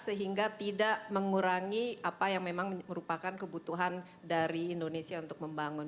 sehingga tidak mengurangi apa yang memang merupakan kebutuhan dari indonesia untuk membangun